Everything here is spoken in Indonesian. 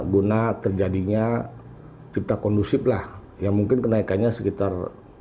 guna terjadinya cipta kondusif lah yang mungkin kenaikannya sekitar